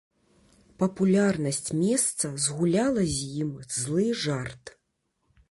Папулярнасць месца згуляла з ім злы жарт.